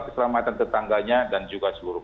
keselamatan tetangganya dan juga seluruh